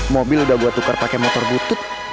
mobil udah gue tukar pake motor butut